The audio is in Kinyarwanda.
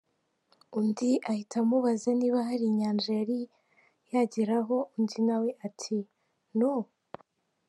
Undi ahita amubaza niba hari inyanja yari yageraho undi na we ati “No !